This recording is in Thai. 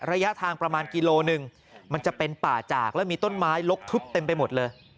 ระยะทางประมาณกิโลหนึ่งมันจะเป็นป่าจากแล้วมีต้นไม้ลกทึบเต็มไปหมดเลย